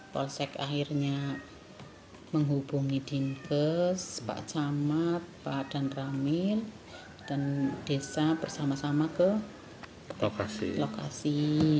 polsek akhirnya menghubungi dinkes pak camat pak dan ramil dan desa bersama sama ke lokasi